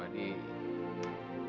ya kalau saya